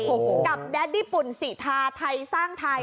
กับแดดดี้ปุ่นสีทาไทสร้างไทย